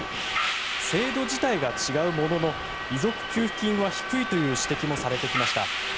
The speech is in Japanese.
制度自体が違うものの遺族給付金は低いという指摘もされてきました。